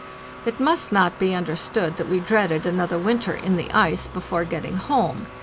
It must not be understood that we dreaded another winter in the ice before getting home.